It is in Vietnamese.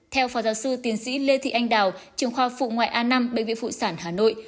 theo phó giáo sư tiến sĩ lê thị anh đào trường khoa phụ ngoại a năm bệnh viện phụ sản hà nội